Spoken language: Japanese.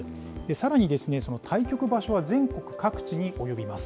さらに対局場所は全国各地に及びます。